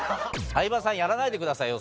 相葉さんやらないでくださいよ